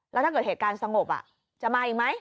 แล้วถ้าเกิดเหตุการณ์สงบจะมาอีกไหม